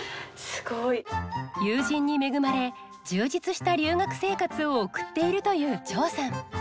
友人に恵まれ充実した留学生活を送っているという趙さん。